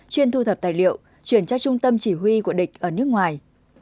chuyên thu thập tài liệu chuyển cho trung tâm chỉ huy của địch ở nước ngoài